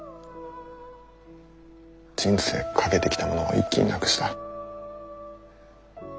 人生賭けてきたものを一気になくした。